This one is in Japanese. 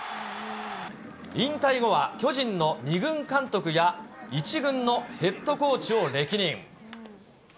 引退後は巨人の２軍監督や１軍のヘッドコーチを歴任。